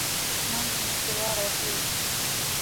Тушман дене тулар от лий —